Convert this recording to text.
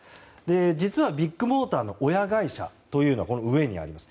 実は、ビッグモーターの親会社はこの上にあります